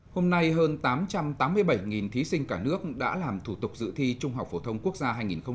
hôm nay hơn tám trăm tám mươi bảy thí sinh cả nước đã làm thủ tục dự thi trung học phổ thông quốc gia hai nghìn một mươi chín